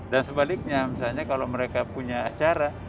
dan sebaliknya misalnya kalau mereka punya acara